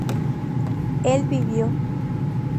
él vivió